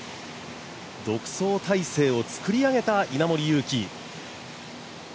独走態勢を作り上げた、稲森佑貴。